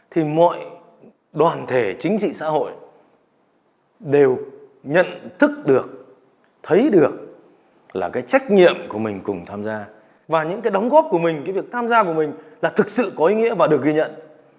thì mọi đoàn thể chính trị xã hội đều nhận thức được thấy được là cái trách nhiệm của mình cùng tham gia và những cái đóng góp của mình cái việc tham gia của mình là thực sự có ý nghĩa và được ghi nhận